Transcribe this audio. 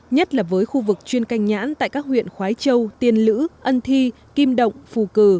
nhất là với khu vực chuyên canh nhãn tại các huyện khói châu tiên lữ ân thi kim động phù cử